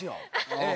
ええ。